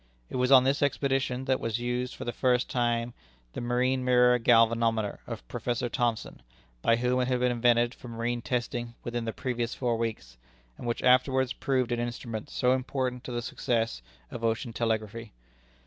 It was on this expedition that was used for the first time the marine mirror galvanometer of Professor Thomson, by whom it had been invented for marine testing within the previous four weeks, and which afterwards proved an instrument so important to the success of ocean telegraphy.